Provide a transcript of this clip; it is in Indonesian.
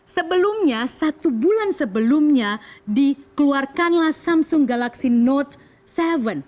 sebelumnya satu bulan sebelumnya dikeluarkanlah samsung galaxy note tujuh